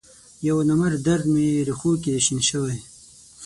یونامرد درد می رېښوکې دی شین شوی